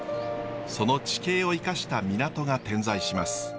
その地形を生かした港が点在します。